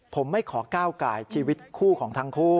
ผมไม่ขอก้าวกายชีวิตคู่ของทั้งคู่